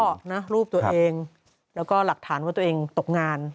ก็นะรูปตัวเองแล้วก็หลักฐานว่าตัวเองตกงาน